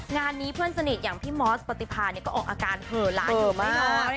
งานนี้เพื่อนสนิทอย่างพี่มอสปฏิพาเนี่ยก็ออกอาการเผลอหลานอยู่ไม่น้อย